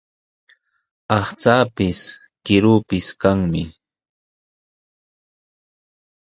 Aqchaapis, kiruupis kanmi.